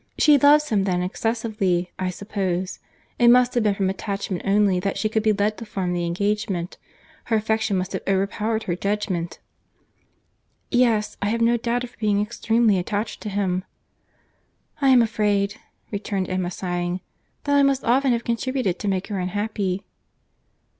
"She loves him then excessively, I suppose. It must have been from attachment only, that she could be led to form the engagement. Her affection must have overpowered her judgment." "Yes, I have no doubt of her being extremely attached to him." "I am afraid," returned Emma, sighing, "that I must often have contributed to make her unhappy."